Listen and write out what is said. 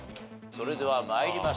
それでは参りましょう。